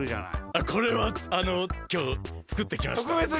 あこれはあのきょうつくってきました。